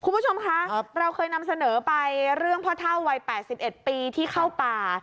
คุณผู้ชมคะเราเคยนำเสนอไปเรื่องพ่อเท่าวัย๘๑ปีที่เข้าป่า